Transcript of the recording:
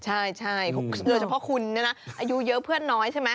ใช่โดยเฉพาะคุณเนี่ยนะอายุเยอะเพื่อนน้อยใช่ไหม